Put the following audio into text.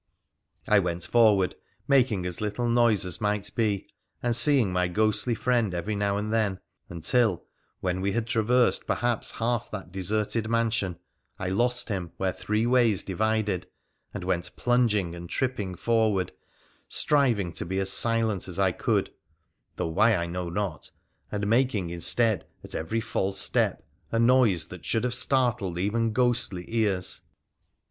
I went forward, making as little noise as might be, and seeing my ghostly friend every now and then, until, when we had traversed perhaps half that deserted mansion, I lost him where three ways divided, and went plunging and trip ping forward, striving to be as silent as I could — though why I know not — and making instead at every false step a noise that should have startled even ghostly ears.